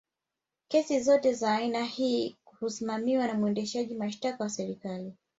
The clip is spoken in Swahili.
kesi zote za aina hii husimamiwa na mwendesha mashtaka wa serikali